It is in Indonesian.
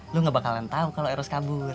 lo gak bakalan taham kalau eros kabur